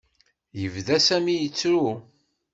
Yebda Sami yettru.